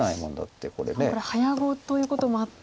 しかも早碁ということもあって。